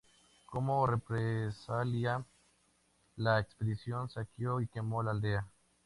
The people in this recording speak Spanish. Como represalia la expedición saqueó y quemó la aldea.